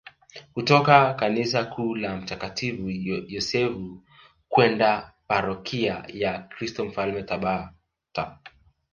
kutoka kanisa kuu la mtakatifu Yosefu kwenda parokia ya Kristo Mfalme Tabata